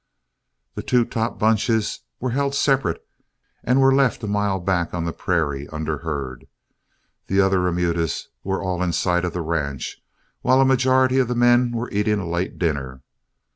The two top bunches were held separate and were left a mile back on the prairie, under herd. The other remudas were all in sight of the ranch, while a majority of the men were eating a late dinner.